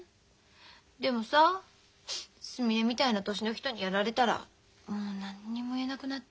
でもさすみれみたいな年の人にやられたらもう何にも言えなくなって。